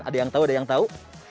ada yang tau